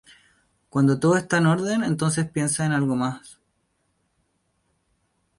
Cuando todo está en orden entonces piensas en algo más.